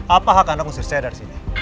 apa hak anda khusus saya dari sini